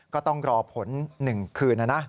ก็ต้องรอผล๑คืนนะนะ